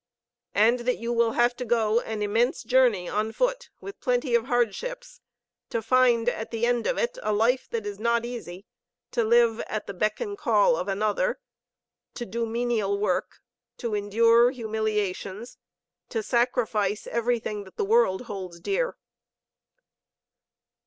"And that you will have to go an immense journey on foot, with plenty of hardships; to find at the end of it a life that is not easy, to live at the beck and call of another, to do menial work, to endure humiliations, to sacrifice everything that the world holds. dear?"